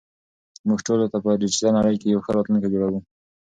موږ پښتو ته په ډیجیټل نړۍ کې یو ښه راتلونکی جوړوو.